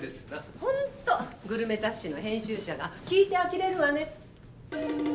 ホントグルメ雑誌の編集者が聞いてあきれるわね。